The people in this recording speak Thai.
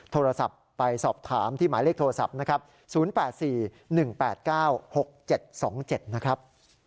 โทรศัพท์ไปสอบถามที่หมายเลขโทรศัพท์นะครับ๐๘๔๑๘๙๖๗๒๗นะครับ